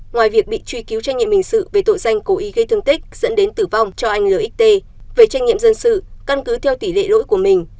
ngoài việc bị truy cứu trách nhiệm hình sự về tội danh cố ý gây thương tích dẫn đến tử vong cho anh l về trách nhiệm dân sự căn cứ theo tỷ lệ lỗi của mình